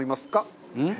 うん？